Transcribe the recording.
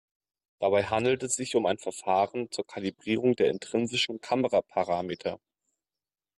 Dabei handelt es sich um ein Verfahren zur Kalibrierung der intrinsischen Kameraparameter.